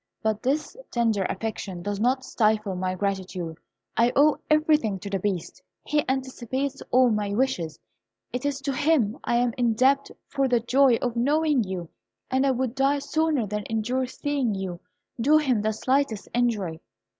But this tender affection does not stifle my gratitude. I owe everything to the Beast. He anticipates all my wishes: it is to him I am indebted for the joy of knowing you, and I would die sooner than endure seeing you do him the slightest injury."